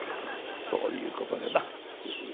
そういうことじゃな。